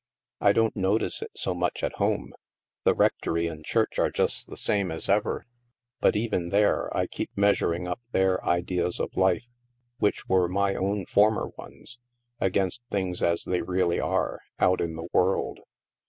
I don't notice it so much at home ; the rectory and church are just the same as ever. But even there I keep measuring up their ideas of life — which were my own former ones — against things as they really are, out in the world."